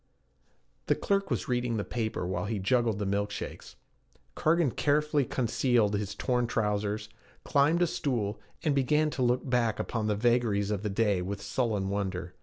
The clerk was reading the paper while he juggled the milk shakes. Cargan, carefully concealing his torn trousers, climbed a stool, and began to look back upon the vagaries of the day with sullen wonder.